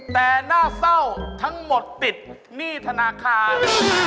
แต่น่าเศร้าทั้งหมดติดหนี้ธนาคาร